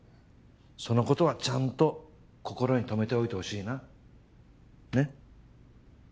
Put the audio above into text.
そのことはちゃんと心に留めておいてほしいなねっ。